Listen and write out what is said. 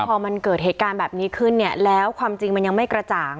พอมันเกิดเหตุการณ์แบบนี้ขึ้นเนี่ยแล้วความจริงมันยังไม่กระจ่าง